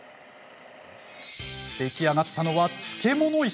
出来上がったのは漬物石。